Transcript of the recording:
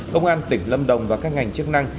công an tỉnh lâm đồng và các ngành chức năng